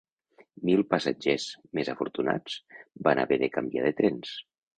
Mil passatgers, més afortunats, van haver de canviar de trens.